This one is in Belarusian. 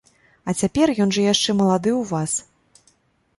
А цяпер ён жа яшчэ малады ў вас.